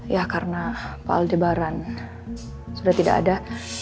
ya karena pak aldebaran sudah tidak ada